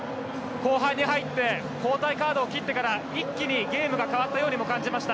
後半に入って交代カードを切ってから一気にゲームが変わったように感じました。